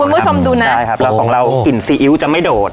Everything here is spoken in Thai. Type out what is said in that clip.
คุณผู้ชมดูนะใช่ครับแล้วของเรากลิ่นซีอิ๊วจะไม่โดด